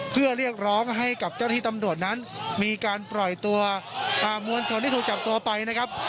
เพื่อเรียกร้องให้กับเจ้าหน้าที่ตำรวจนั้นมีการปล่อยตัวมวลชนที่ถูกจับตัวไปนะครับ